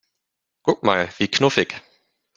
Guck mal, wie knuffig!